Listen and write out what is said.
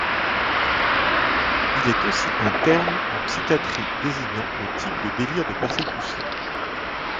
Il est aussi un terme en psychiatrie désignant le type de délire de persécution.